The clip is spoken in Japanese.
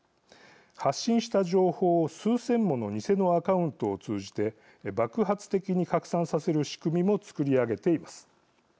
発信した情報を数千もの偽のアカウントを通じて爆発的に拡散させる仕組みも作り上げています。